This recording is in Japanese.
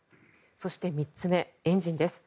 そして、３つ目エンジンです。